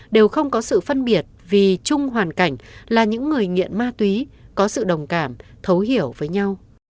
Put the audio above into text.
đều không có sự phân biệt vì chung hoàn cảnh là những người nghiện ma túy có sự đồng cảm thấu hiểu với nhau